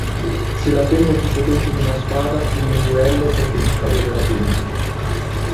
Se la penna è più potente di una spada, in un duello preferisco avere la penna.